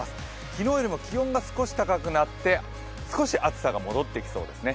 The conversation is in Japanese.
昨日よりも気温が少し高くなって、少し暑さが戻ってきそうですね。